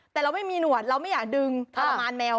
แต่เราไม่มีหนวดเราไม่อยากดึงทรมานแมว